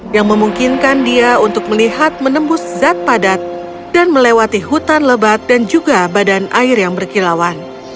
yang memungkinkan dia untuk melihat menembus zat padat dan melewati hutan lebat dan juga badan air yang berkilauan